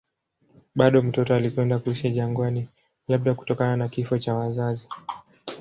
Bado mtoto alikwenda kuishi jangwani, labda kutokana na kifo cha wazazi.